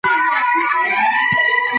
غرونه د تختو له امله جوړېږي.